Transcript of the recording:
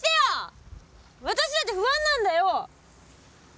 私だって不安なんだよ！